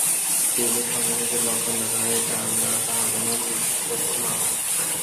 পূর্বে সংযমের যে লক্ষণ দেওয়া হইয়াছে, আমরা তাহা যেন বিস্মৃত না হই।